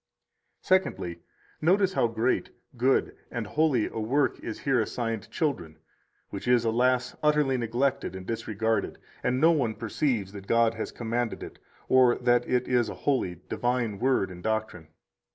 112 Secondly, notice how great, good, and holy a work is here assigned children, which is, alas! utterly neglected and disregarded, and no one perceives that God has commanded it, or that it is a holy, divine Word and doctrine.